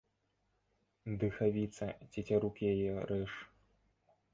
Дыхавіца, цецярук яе рэж.